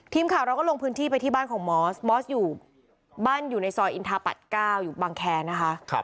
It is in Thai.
ทีมข่าวเราก็ลงพื้นที่ไปที่บ้านของมอสมอสอยู่บ้านอยู่ในซอยอินทาปัตย์๙อยู่บางแคร์นะคะ